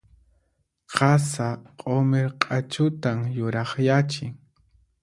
Qasa q'umir q'achuta yurakyachin.